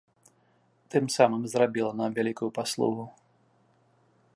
Тым самым зрабіла нам вялікую паслугу.